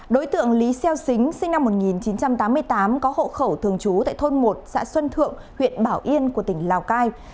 đối tượng lý xeo xính sinh năm một nghìn chín trăm tám mươi tám có hộ khẩu thường trú tại thôn một xã xuân thượng huyện bảo yên của tỉnh lào cai